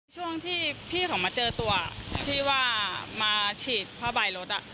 ช่วงที่พี่เขามาเจอตัวที่ว่ามาฉีดผ้าใบรถ